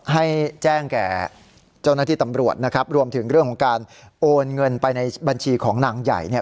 ให้แจ้งแก่เจ้าหน้าที่ตำรวจนะครับรวมถึงเรื่องของการโอนเงินไปในบัญชีของนางใหญ่เนี่ย